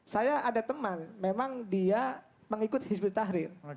saya ada teman memang dia mengikut hizb ut tahrir